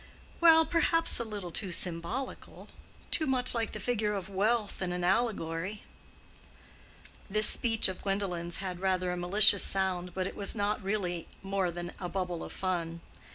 "Well, perhaps a little too symbolical—too much like the figure of Wealth in an allegory." This speech of Gwendolen's had rather a malicious sound, but it was not really more than a bubble of fun.